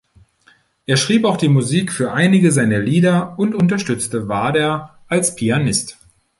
Er schrieb auch die Musik für einige seiner Lieder und unterstützte Wader als Pianist.